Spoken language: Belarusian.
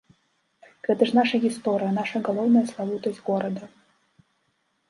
Гэта ж наша гісторыя, наша галоўная славутасць горада.